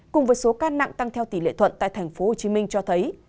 cùng với số ca nặng tăng theo tỷ lệ thuận tại tp hcm cho thấy